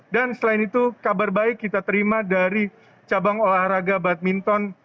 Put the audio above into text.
dan selain itu kabar baik kita terima dari cabang olahraga badminton